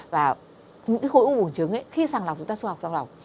và những cái khối u bùng trứng ấy khi sàng lọc chúng ta su học sàng lọc